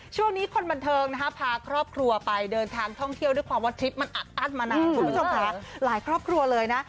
ช่วงนี้คนบันเทิงนะฮะพาครอบครัวไปเดินทางท่องเที่ยวด้วยความว่าทริปมันอัดอั้นมานานคุณผู้ชมค่ะหลายครอบครัวเลยนะ